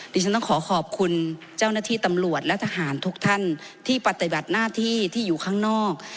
ดิฉันต้องขอขอบคุณเจ้าหน้าที่ตำรวจและทหารทุกท่านที่ปฏิบัติหน้าที่ที่อยู่ข้างนอก